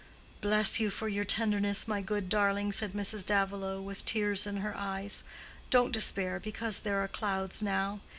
"Bless you for your tenderness, my good darling!" said Mrs. Davilow, with tears in her eyes. "Don't despair because there are clouds now.